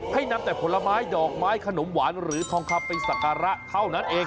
ให้นำแต่ผลไม้ดอกไม้ขนมหวานหรือทองคำไปสักการะเท่านั้นเอง